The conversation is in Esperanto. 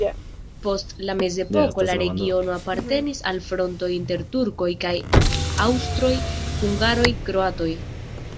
Post la mezepoko la regiono apartenis al fronto inter turkoj kaj aŭstroj-hungaroj-kroatoj.